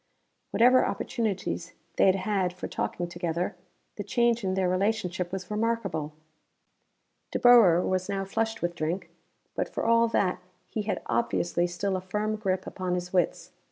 Whatever opportunities they had had for talking together, the change in their relationship was remarkable. De Boer was now flushed with drink, but for all that he had obviously still a firm grip upon his wits.